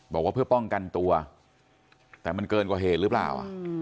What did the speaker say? บอกว่าเพื่อป้องกันตัวแต่มันเกินกว่าเหตุหรือเปล่า